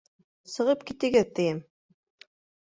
Сығып китегеҙ, тием!